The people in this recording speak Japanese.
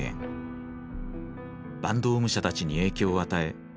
坂東武者たちに影響を与え